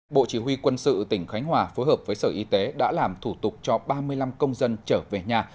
bộ chỉ huy quân sự tỉnh khánh hòa phối hợp với sở y tế đã làm thủ tục cho ba mươi năm công dân trở về nhà